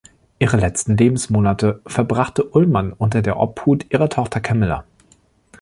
Ihre letzten Lebensmonate verbrachte Ullmann unter der Obhut ihrer Tochter Camilla.